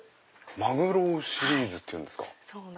「まぐろうシリーズ」っていうんですか。